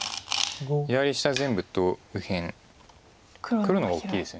左下全部と右辺黒の方が大きいですよね。